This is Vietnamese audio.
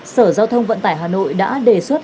sở giao thông vận tải hà nội đã đề xuất